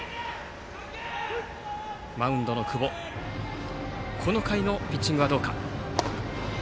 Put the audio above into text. マウンドの久保この回のピッチングはどうか。